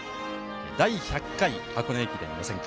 第１００回箱根駅伝予選会。